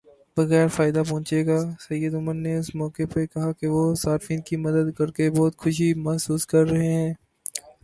بغیر فائدہ پہنچے گا سید عمر نے اس موقع پر کہا کہ وہ صارفین کی مدد کرکے بہت خوشی محسوس کر رہے ہیں